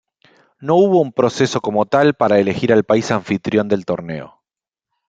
No hubo un proceso como tal para elegir al país anfitrión del torneo.